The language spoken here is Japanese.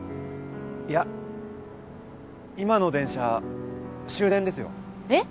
いや今の電車終電ですよ。えっ！？